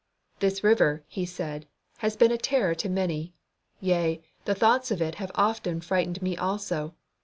"This river," he said, "has been a terror to many. Yea, the thoughts of it have often frighted me also.